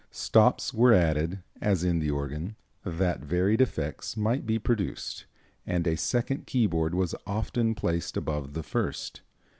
Stops were added, as in the organ, that varied effects might be produced, and a second keyboard was often placed above the first.